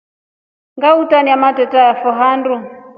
Ngahotania mateta yafo handu.